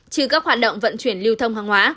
trừ các hoạt động vận chuyển lưu thông hàng hóa